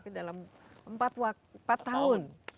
tapi dalam empat tahun